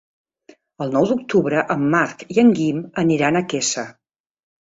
El nou d'octubre en Marc i en Guim aniran a Quesa.